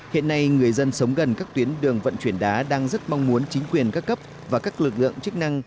hiện nay người dân sống gần các tuyến đường vận chuyển đá đang rất mong muốn chính quyền các cấp và các lực lượng chức năng